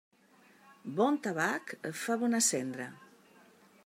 Bon tabac fa bona cendra.